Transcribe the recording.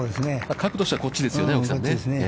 角度としてはこっちですね。